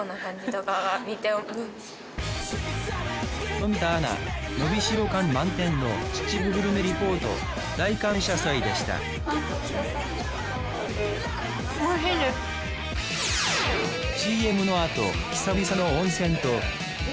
冨田アナ伸びしろ感満点の秩父グルメリポート大感謝祭でしたおいしいです。